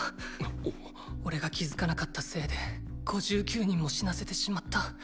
おれが気づかなかったせいで５９人も死なせてしまった。